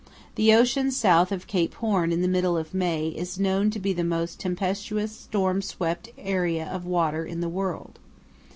The ocean south of Cape Horn in the middle of May is known to be the most tempestuous storm swept area of water in the world.